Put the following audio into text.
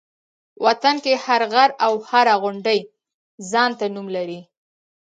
وطن کې هر غر او هره غونډۍ ځان ته نوم لري.